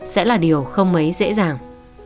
hai nghìn ba sẽ là điều không mấy dễ dàng